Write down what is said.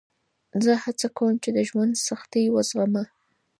زه هڅه کوم چې د ژوند سختۍ وزغمه.